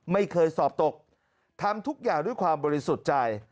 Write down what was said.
ไม่เคยสอบตกทำทุกอย่างด้วยความบริสุทธิ์ใจ